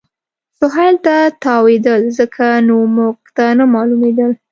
سهېل ته تاوېدل، ځکه نو موږ ته نه معلومېدل.